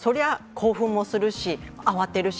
興奮もするし慌てるし。